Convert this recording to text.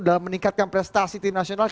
dalam meningkatkan prestasi tim nasional